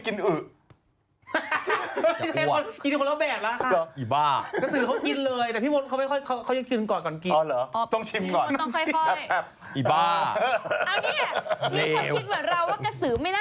กะสือกินเลยแต่พี่มท์ยังมอยกินก่อนก่อนกิน